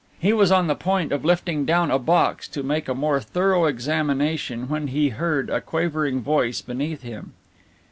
He was on the point of lifting down a box to make a more thorough examination when he heard a quavering voice beneath him.